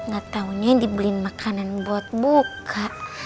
gak taunya dibeliin makanan buat buka